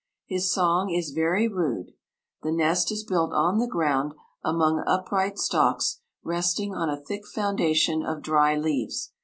His song is very rude. The nest is built on the ground, among upright stalks, resting on a thick foundation of dry leaves.